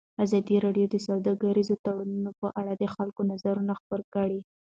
ازادي راډیو د سوداګریز تړونونه په اړه د خلکو نظرونه خپاره کړي.